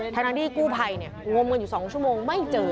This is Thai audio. ทั้งนั้นที่กู้ภัยเนี่ยงมกันอยู่๒ชั่วโมงไม่เจอเลยนะคะ